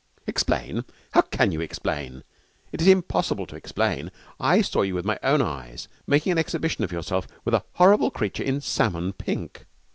'Explain! How can you explain? It is impossible to explain. I saw you with my own eyes making an exhibition of yourself with a horrible creature in salmon pink.